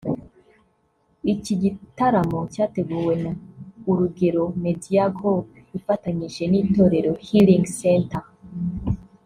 Iki gitaramo cyateguwe na Urugero Media Group ifatanyije n’Itorero Healing Center